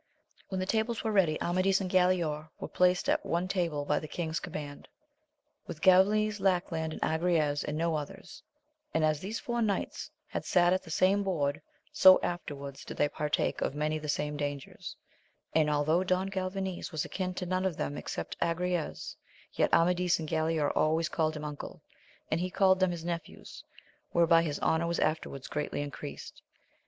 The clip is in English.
When the tables were ready, Amadis and Galaor were placed at one table by the king's command, with Galvanes Lackland and Agrayes, and no others ; and as these four knights had sate atthe same \>o^t^, ^o ^i\,^T^^x\% ^^ \}ws^ AMADIS OF GAUL. . 169 partake of many the same dangers ; and although Don Galvanes was akin to none of them except Agrayes, yet Amadis and Galaor always called him uncle, and he called them his nephews, whereby his honour was afterwards greatly increased.